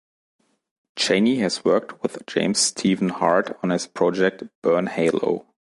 Chaney has worked with James Stephen Hart on his project Burn Halo.